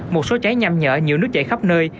một số cháy nhằm nhở nhựa nước chạy khắp nơi